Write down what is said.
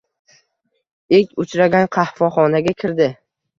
Ilk uchragan qahvaxonaga kirdi.